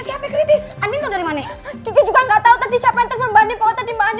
siapa kritis ani mau dari mana juga enggak tahu tadi siapa yang terbunyi pokoknya di